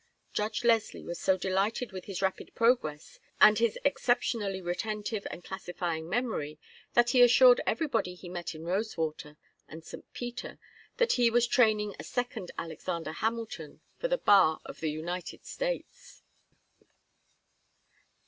Judge Leslie was so delighted with his rapid progress and his exceptionally retentive and classifying memory that he assured everybody he met in Rosewater and St. Peter that he was training a second Alexander Hamilton for the bar of the United States.